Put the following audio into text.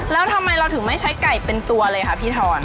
แล้วทำไมเราถึงไม่ใช้ไก่เป็นตัวเลยค่ะพี่ทอน